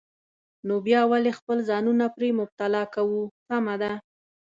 نو بیا ولې خپل ځانونه پرې مبتلا کوو؟ سمه ده.